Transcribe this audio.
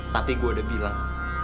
tapi gue udah bilang